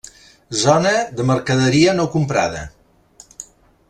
Zona de mercaderia no comprada.